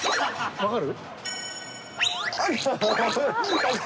分かる？